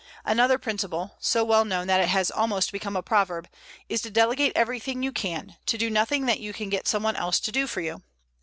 Another principle, so well known that it has almost become a proverb, is to delegate everything you can, to do nothing that you can get someone else to do for you.